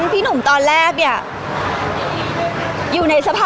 พี่ตอบได้แค่นี้จริงค่ะ